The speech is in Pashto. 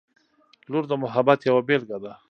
• لور د محبت یوه بېلګه ده.